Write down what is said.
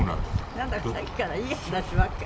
なんだかさっきからいい話ばっかり。